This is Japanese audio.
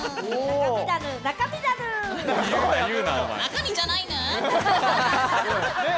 中身じゃないぬん。